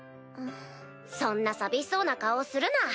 そんな寂しそうな顔をするな。